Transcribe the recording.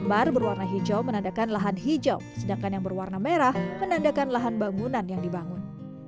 bar berwarna hijau menandakan lahan hijau sedangkan yang berwarna merah menandakan lahan bangunan yang dibangun